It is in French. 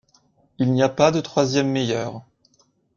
Il n'y a pas de troisième meilleure.